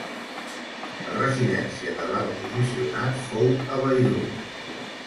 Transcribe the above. La residència de l'Alt Comissionat fou a Beirut.